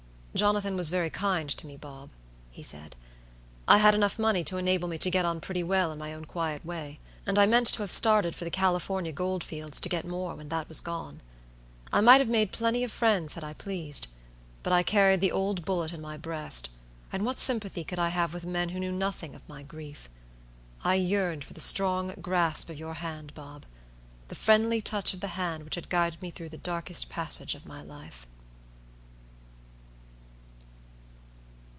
"Jonathan was very kind to me, Bob," he said; "I had enough money to enable me to get on pretty well in my own quiet way and I meant to have started for the California gold fields to get more when that was gone. I might have made plenty of friends had I pleased, but I carried the old bullet in my breast; and what sympathy could I have with men who knew nothing of my grief? I yearned for the strong grasp of your hand, Bob; the friendly touch of the hand which had guided me through the darkest passage of my life."